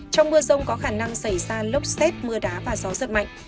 trong mưa rông có khả năng xảy ra lốc xét mưa đá và gió giật mạnh